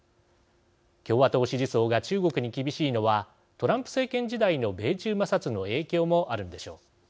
共和党支持層が中国に厳しいのはトランプ政権時代の米中摩擦の影響もあるのでしょう。